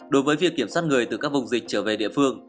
đối với việc kiểm soát người từ các vùng dịch trở về địa phương